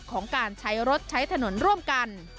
ของการใช้รถใช้ถนนร่วมกัน